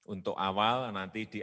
untuk awal nanti di